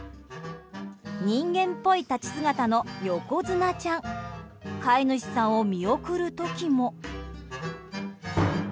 人間っぽい立ち姿の横綱ちゃん飼い主さんを見送る時も。